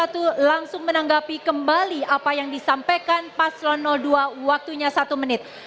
langsung menanggapi kembali apa yang disampaikan paslon dua waktunya satu menit